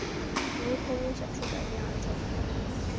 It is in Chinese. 由同名小说改编而成。